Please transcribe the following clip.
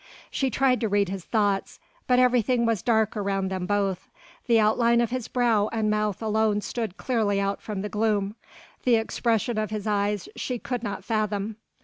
She tried to read his thoughts, but everything was dark around them both, the outline of his brow and mouth alone stood clearly out from the gloom: the expression of his eyes she could not fathom.